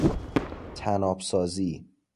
طناب سازی